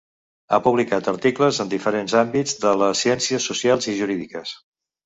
Ha publicat articles en diferents àmbits de les ciències socials i jurídiques.